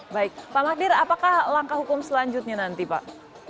baik pak magdir apakah langkah hukum selanjutnya nanti pak